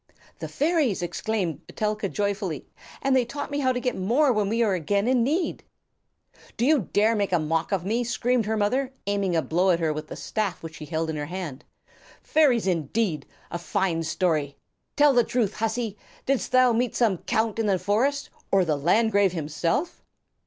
"The fairies!" exclaimed Etelka joyfully. "And they taught me how to get more when we are again in need." "Do you dare to make a mock of me?" screamed her mother, aiming a blow at her with the staff which she held in her hand. "Fairies indeed! A fine story! Tell the truth, hussy. Didst thou meet some count in the forest or the landgrave himself?"